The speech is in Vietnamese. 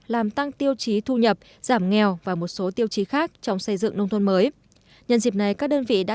làm tăng tiêu chí thu nhập giảm nghèo và một số tiêu chí khác trong xây dựng nông thôn mới